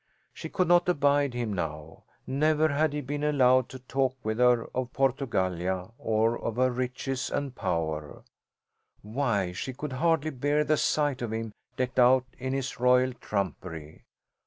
She could not abide him now. Never had he been allowed to talk with her of Portugallia or of her riches and power; why, she could hardly bear the sight of him decked out in his royal trumpery.